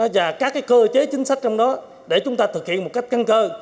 và các cơ chế chính sách trong đó để chúng ta thực hiện một cách căn cơ